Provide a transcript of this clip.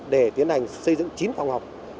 để tiến hành xây dựng chín phòng học